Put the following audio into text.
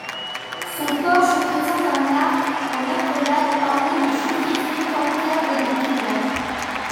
Son porche présente un arc en accolade orné de choux frisés qu'encadrent des pinacles.